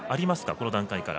この段階から。